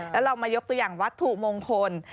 แล้วเรามายกตัวอย่างวัตถุมงคล